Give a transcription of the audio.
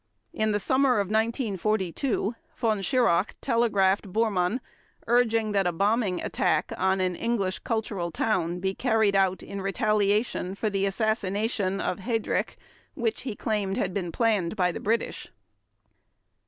In the summer of 1942 Von Schirach telegraphed Bormann urging that a bombing attack on an English cultural town be carried out in retaliation for the assassination of Heydrich which, he claimed, had been planned by the British.